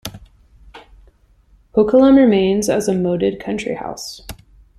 Hoekelum remains as a moated country house.